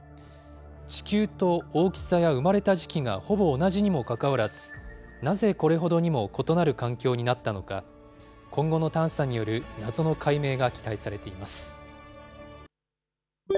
地球と大きさや生まれた時期がほぼ同じにもかかわらず、なぜこれほどにも異なる環境になったのか、今後の探査による謎の解明が期待されています。